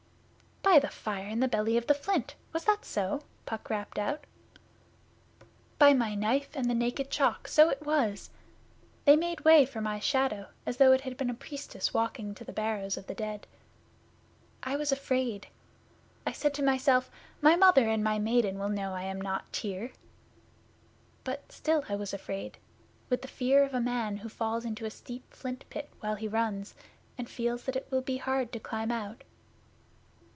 'By the Fire in the Belly of the Flint was that so?' Puck rapped out. 'By my Knife and the Naked Chalk, so it was! They made way for my shadow as though it had been a Priestess walking to the Barrows of the Dead. I was afraid. I said to myself, "My Mother and my Maiden will know I am not Tyr." But still I was afraid, with the fear of a man who falls into a steep flint pit while he runs, and feels that it will be hard to climb out.